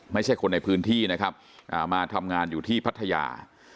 ไม่ใช่คนในพื้นที่นะครับมาทำงานอยู่ที่พัทยา